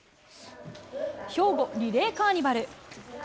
兵庫リレーカーニバル。